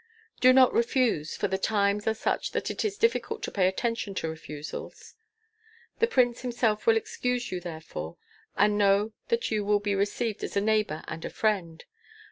Do not refuse, for the times are such that it is difficult to pay attention to refusals. The prince himself will excuse you therefore, and know that you will be received as a neighbor and a friend.